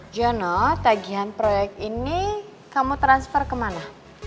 jono tagihan proyek ini kamu transfer kemana